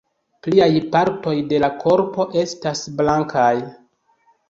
Pliaj partoj de la korpo estas blankaj.